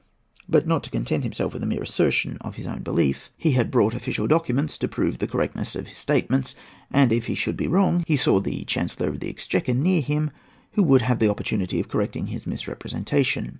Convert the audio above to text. But, not to content himself with a mere assertion of his own belief, he had brought official documents to prove the correctness of his statements; and if he should be wrong, he saw the Chancellor of the Exchequer near him, who would have the opportunity of correcting his misrepresentation.